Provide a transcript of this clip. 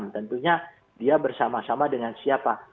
tentunya dia bersama sama dengan siapa